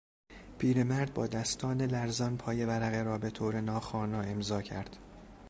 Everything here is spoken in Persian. پیرمرد با دستان لرزان پای ورقه را به طور ناخوانا امضا کرد.